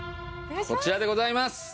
こちらでございます！